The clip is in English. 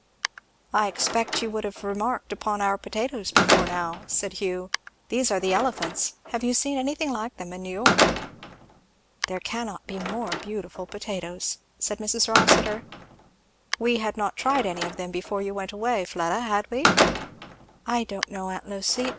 "I expected you would have remarked upon our potatoes, before now," said Hugh. "These are the Elephants have you seen anything like them in New York?" "There cannot be more beautiful potatoes," said Mrs. Rossitur. "We had not tried any of them before you went away, Fleda, had we?" "I don't know, aunt Lucy!